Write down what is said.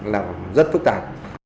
nên là rất phức tạp